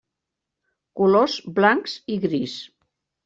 Colors blancs i gris.